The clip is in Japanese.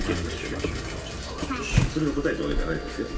それが答えってわけじゃないですよ。